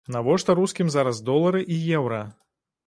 Навошта рускім зараз долары і еўра?